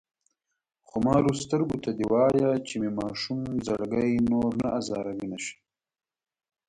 خمارو سترګو ته دې وايه چې مې ماشوم زړګی نور نه ازاروينه شي